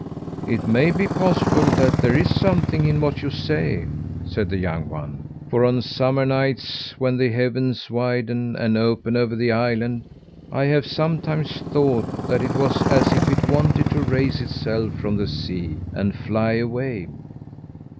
"It may be possible that there is something in what you say," said the young one; "for on summer nights, when the heavens widen and open over the island, I have sometimes thought that it was as if it wanted to raise itself from the sea, and fly away."